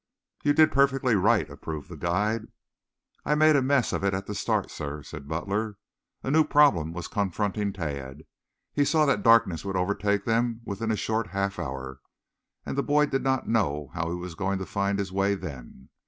"You did perfectly right," approved the guide. "I made a mess of it at the start, sir," replied Butler. A new problem was confronting Tad. He saw that darkness would overtake them within a short half hour, and the boy did not know how he was going to find his way then.